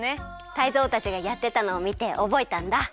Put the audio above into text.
タイゾウたちがやってたのをみておぼえたんだ。